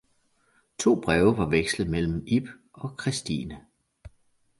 to breve var vekslet mellem Ib og Christine.